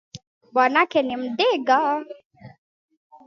Bwanake ni mdigo